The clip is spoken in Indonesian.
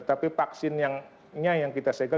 tapi vaksinnya yang kita segel